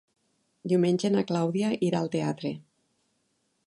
Diumenge na Clàudia irà al teatre.